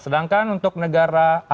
sedangkan untuk negara amerika